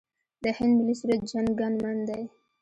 د هند ملي سرود جن ګن من دی.